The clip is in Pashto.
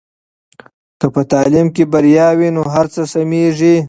که په تعلیم کې بریا وي نو هر څه سمېږي.